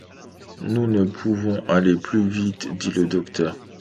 Nous ne pouvons aller plus vite, dit le docteur.